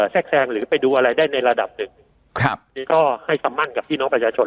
แทรกแซงหรือไปดูอะไรได้ในระดับหนึ่งครับนี่ก็ให้คำมั่นกับพี่น้องประชาชน